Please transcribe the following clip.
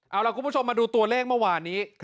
เอาล่ะคุณผู้ชมมาดูตัวเลขเมื่อวานนี้